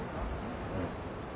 うん。